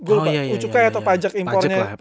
ucukai atau pajak impornya